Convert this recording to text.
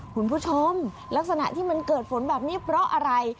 คุณผู้ชมลักษณะที่มันเกิดฝนแบบนี้เพราะอะไร